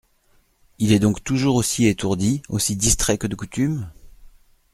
Il est donc toujours aussi étourdi, aussi distrait que de coutume ?